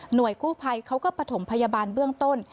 กู้ภัยเขาก็ประถมพยาบาลเบื้องต้น